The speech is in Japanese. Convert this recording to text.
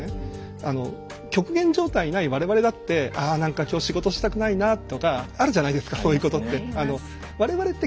極限状態にない我々だって「あ何か今日仕事したくないな」とかあるじゃないですかそういうことって。あります。